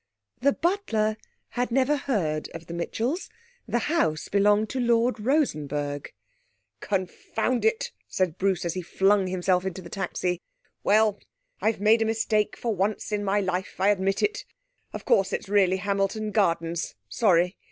The butler had never heard of the Mitchells. The house belonged to Lord Rosenberg. 'Confound it! 'said Bruce, as he flung himself into the taxi. 'Well! I've made a mistake for once in my life. I admit it. Of course, it's really Hamilton Gardens. Sorry.